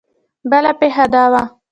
بله پېښه دا وه.